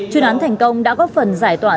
chuyên án thành công đã góp phần giải tỏa